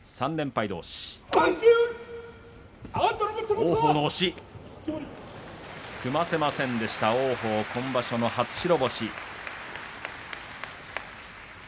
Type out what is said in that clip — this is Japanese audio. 王鵬の押し、組ませませんでした王鵬、今場所の初白星。